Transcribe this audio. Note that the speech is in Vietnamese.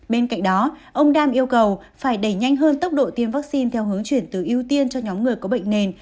bên cạnh đó ông đam yêu cầu phải đẩy nhanh hơn tốc độ tiêm vaccine theo hướng chuyển từ ưu tiên cho nhóm người có bệnh nền